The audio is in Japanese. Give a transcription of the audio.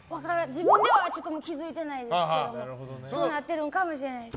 自分ではちょっと気づいてないですけどそうなってるかもしれないです。